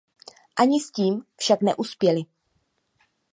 Ani s tím však neuspěli.